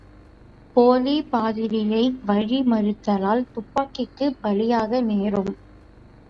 போலிப்பாதிரியை வழிமறித்தால் துப்பாக்கிக்குப் பலியாக நேரும்!